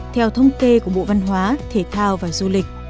theo thông kê của bộ văn hóa thể thao và du lịch